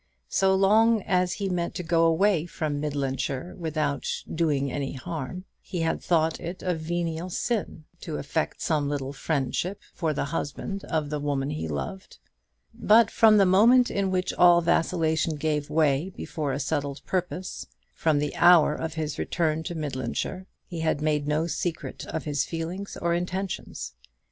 So long as he meant to go away from Midlandshire without "doing any harm," he had thought it a venial sin to affect some little friendship for the husband of the woman he loved. But from the moment in which all vacillation gave way before a settled purpose from the hour of his return to Midlandshire he had made no secret of his feelings or intentions.